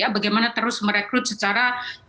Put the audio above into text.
bagaimana terus merekrut secara